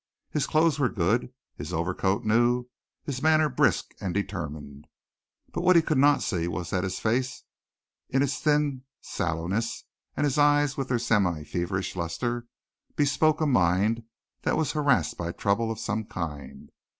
His clothes were good, his overcoat new, his manner brisk and determined. But what he could not see was that his face in its thin sallowness, and his eyes with their semi feverish lustre bespoke a mind that was harassed by trouble of some kind.